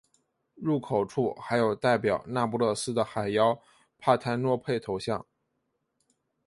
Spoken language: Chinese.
入口处还有代表那不勒斯的海妖帕泰诺佩头像。